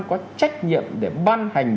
có trách nhiệm để ban hành